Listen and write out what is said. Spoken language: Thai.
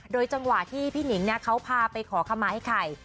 โดยจังหวะที่พี่หนิงเขาพาไปขอคำมาไอ้ไข่